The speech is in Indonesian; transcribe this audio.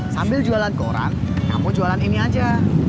sambil jualan koran kamu jualan ini aja